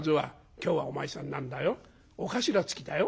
「今日はお前さん何だよ尾頭付きだよ」。